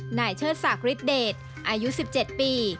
หน่ายเชิดศักดิ์ฤทธิ์เดตอายุ๑๗ปี